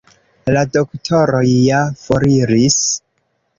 La doktoroj ja foriris.